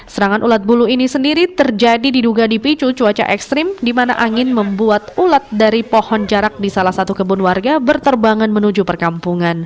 serangan ulat bulu ini sendiri terjadi diduga dipicu cuaca ekstrim di mana angin membuat ulat dari pohon jarak di salah satu kebun warga berterbangan menuju perkampungan